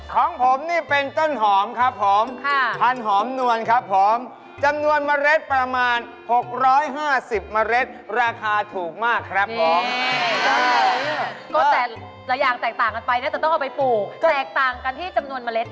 ของผมนี่เป็นต้นหอมครับผมพันหอมนวลครับผมจำนวนเมล็ดประมาณ๖๕๐เมล็ดราคาถูกมากครับผม